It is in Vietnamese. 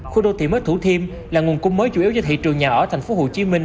khu đô thị mất thủ thêm là nguồn cung mới chủ yếu cho thị trường nhà ở thành phố hồ chí minh